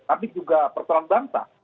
tapi juga persoalan bangsa